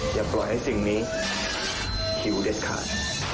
อย่าปล่อยให้สิ่งนี้หิวเด็ดขาด